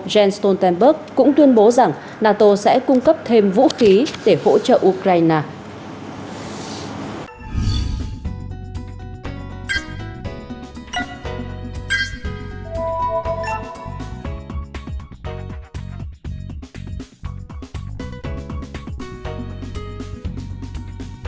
jens stoltenberg cũng tuyên bố rằng nato sẽ cung cấp thêm vũ khí để hỗ trợ ukraine